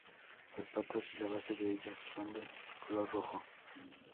Las patas y la base de ellas son de color rojo.